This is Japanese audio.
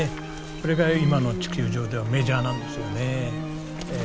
それが今の地球上ではメジャーなんですよねええ。